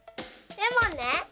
レモンね！